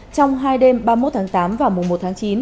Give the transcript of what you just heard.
trong hai đêm ba mươi một tháng tám và mùa một tháng chín